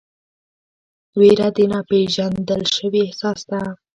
ویره د ناپېژندل شوي احساس ده.